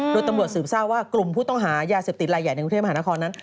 โดยตำรวจสืบทราบว่ากลุ่มผู้ต้องหายาเสพติดลายใหญ่ในกรุงเทพมหานครนั้น